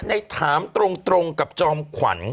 ถามตรงกับจอมขวัญ